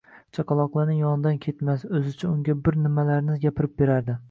Chaqaloqning yonidan ketmas, o`zicha unga bir nimalarni gapirib berardi